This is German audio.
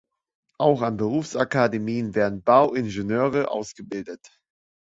Auch an Berufsakademien werden Bauingenieure ausgebildet.